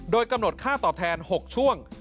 โดยกำหนดค่าตอบแทน๖ช่วง